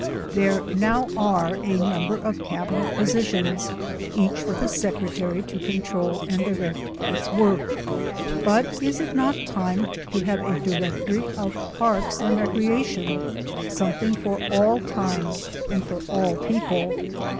There now are a number of Cabinet positions, each with a secretary to control and direct its work. But is it not time to have a Directory of Parks and Recreation, something for all time and for all peo ple?